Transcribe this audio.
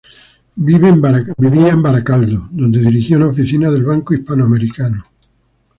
Vivía en Baracaldo, donde dirigía una oficina del Banco Hispano Americano.